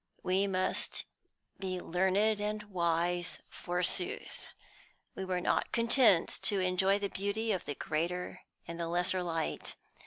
We must be learned and wise, forsooth. We were not content to enjoy the beauty of the greater and the lesser light.